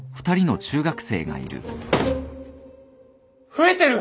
・増えてる！